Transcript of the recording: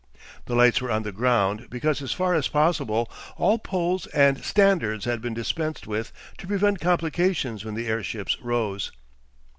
The lights were on the ground because as far as possible all poles and standards had been dispensed with to prevent complications when the airships rose.